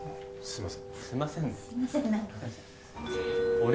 すいません何か。